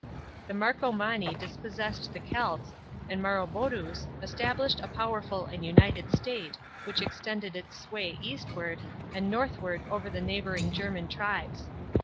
TheMaicomanni dispossessed the Colts, and Marobodnus established a powerful and united state, which extended its sway eastward, and north war ' over the n< i 'hb uring German tribes.